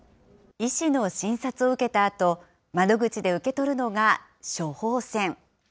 医師の診察を受けたあと、窓口で受け取るのが処方箋。